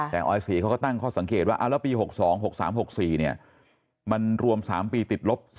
แต่ออิศรีก็ตั้งข้อสังเกตว่าปี๖๒๖๓๖๔มันรวม๓ปีติดลบ๔๕๐๐๐๐๐